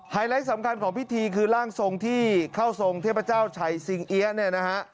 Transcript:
ไฮไลท์สำคัญของพิธีคือร่างทรงที่เข้าทรงเทพเจ้าชัยสิงเหี้ยะ